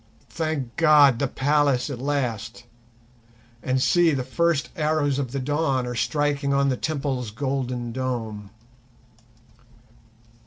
"Thank God, the palace at last!" and see, the first arrows of the dawn are striking on the Temple's golden dome.